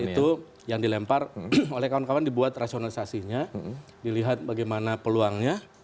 itu yang dilempar oleh kawan kawan dibuat rasionalisasinya dilihat bagaimana peluangnya